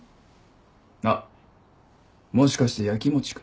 あっもしかして焼きもちか？